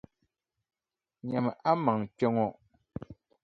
Nyami a maŋa kpe ŋɔ.